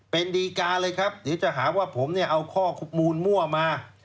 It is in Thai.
เป็นดีการเลยครับเดี๋ยวจะหาว่าผมเนี่ยเอาข้อมูลมั่วมา